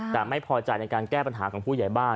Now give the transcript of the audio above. แต่ไม่พอใจในการแก้ปัญหาของผู้ใหญ่บ้าน